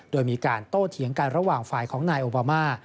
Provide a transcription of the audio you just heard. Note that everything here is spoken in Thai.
โดยมีการโต้เถียงกันระหว่างฝ่ายของนายโอบามา